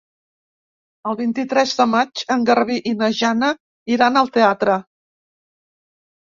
El vint-i-tres de maig en Garbí i na Jana iran al teatre.